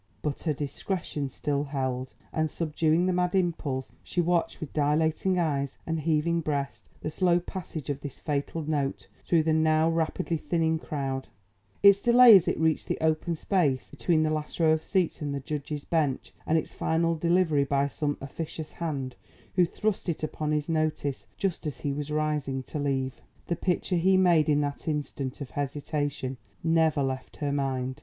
But her discretion still held, and, subduing the mad impulse, she watched with dilating eyes and heaving breast the slow passage of this fatal note through the now rapidly thinning crowd, its delay as it reached the open space between the last row of seats and the judge's bench and its final delivery by some officious hand, who thrust it upon his notice just as he was rising to leave. The picture he made in that instant of hesitation never left her mind.